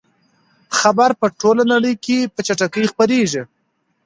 خبر په ټوله نړۍ کې په چټکۍ خپریږي.